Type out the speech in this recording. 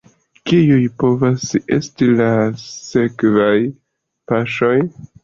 Kiuj povos esti la sekvaj paŝoj?